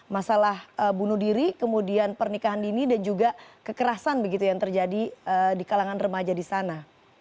masalah bunuh diri kemudian pernikahan dini dan juga kekerasan begitu yang terjadi di kalangan remaja di sana